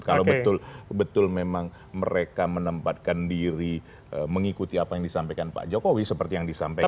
kalau betul betul memang mereka menempatkan diri mengikuti apa yang disampaikan pak jokowi seperti yang disampaikan